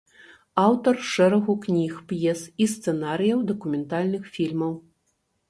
Аўтар шэрагу кніг, п'ес і сцэнарыяў дакументальных фільмаў.